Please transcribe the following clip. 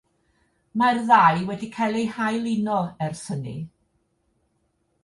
Mae'r ddau wedi cael eu hailuno ers hynny.